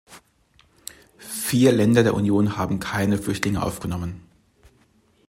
Vier Länder der Union haben keine Flüchtlinge aufgenommen.